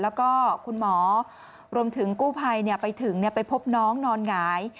แล้วก็คุณหมอรวมถึงกู้ภัยไปถึงไปพบน้องนอนหงาย